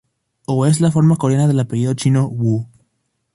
O es la forma coreana del apellido chino Wu.